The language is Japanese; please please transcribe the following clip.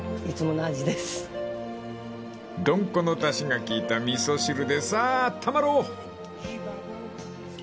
［ドンコのだしが効いた味噌汁でさああったまろう！］